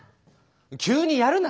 急にやるな！